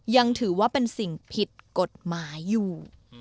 ยังถือว่าเป็นสิ่งผิดกฎหมายอยู่